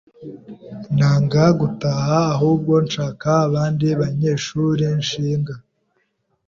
nanga gutaha ahubwo nshaka abandi banyeshuri nshinga